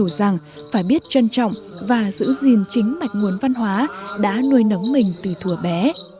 dù rằng phải biết trân trọng và giữ gìn chính mạch nguồn văn hóa đã nuôi nấng mình từ thùa bé